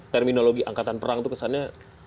terminologi angkatan perang itu kesannya